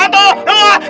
aika dan anadol pemimpin